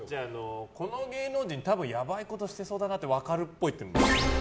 この芸能人多分やばいことしてそうだなって分かるっぽい。